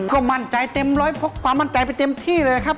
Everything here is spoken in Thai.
ก็มั่นใจเต็มร้อยพกความมั่นใจไปเต็มที่เลยครับ